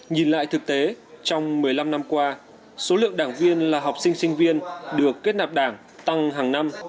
nhìn lại thực tế trong một mươi năm năm qua số lượng đảng viên là học sinh sinh viên được kết nạp đảng tăng hàng năm